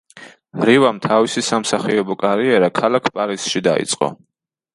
რივამ თავისი სამსახიობო კარიერა ქალაქ პარიზში დაიწყო.